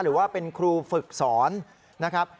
หรือว่าเป็นครูฝึกสอนนะครับ